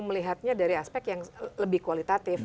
melihatnya dari aspek yang lebih kualitatif